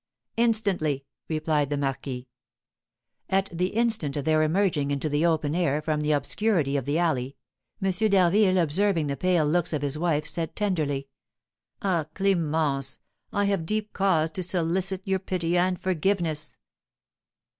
"Instantly," replied the marquis. At the instant of their emerging into the open air from the obscurity of the alley, M. d'Harville, observing the pale looks of his wife, said, tenderly: "Ah, Clémence, I have deep cause to solicit your pity and forgiveness."